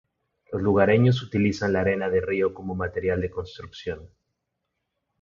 Los lugareños utilizan la arena de río como material de construcción.